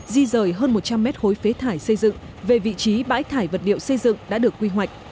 di rời hơn một trăm linh mét khối phế thải xây dựng về vị trí bãi thải vật liệu xây dựng đã được quy hoạch